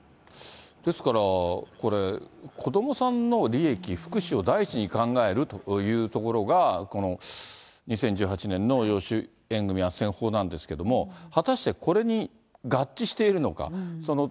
ですからこれ、子どもさんの利益、福祉を第一に考えるというところが、この２０１８年の養子縁組あっせん法なんですけれども、果たしてこれに合致しているのか。